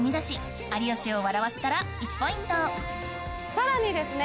さらにですね